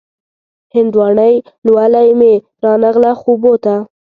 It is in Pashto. هندواڼۍ لولۍ مې را نغله خوبو ته